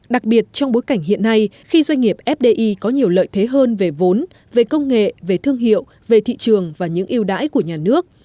đặc biệt trong bối cảnh hiện nay khi doanh nghiệp fdi có nhiều lợi thế hơn về vốn về công nghệ về thương hiệu về thị trường và những yêu đãi của nhà nước